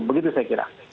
begitu saya kira